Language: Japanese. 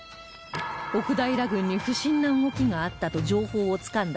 奥平軍に不審な動きがあったと情報をつかんだ